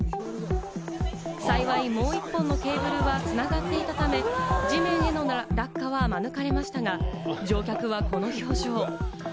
幸いもう１本のケーブルは繋がっていたため、地面への落下は免れましたが、乗客はこの表情。